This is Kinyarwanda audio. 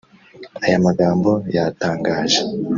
Aya magambo yatangaje